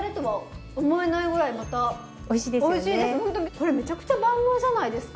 これめちゃくちゃ万能じゃないですか？